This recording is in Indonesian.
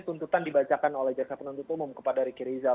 tuntutan dibacakan oleh jaksa penuntut umum kepada ricky rizal